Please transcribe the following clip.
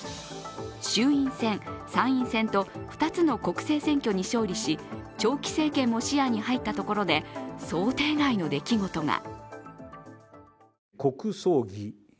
衆院選、参院選と２つの国政選挙に勝利し長期政権も視野に入ったところで想定外の出来事が。